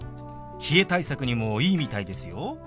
冷え対策にもいいみたいですよ。